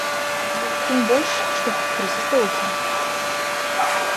Тым больш, што крызіс доўгі.